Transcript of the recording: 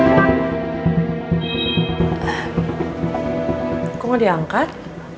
aku mau diangkat